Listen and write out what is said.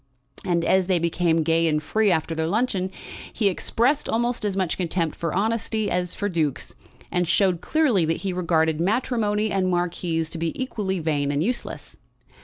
And as they became gay and free after their luncheon he expressed almost as much contempt for honesty as for dukes, and showed clearly that he regarded matrimony and marquises to be equally vain and useless.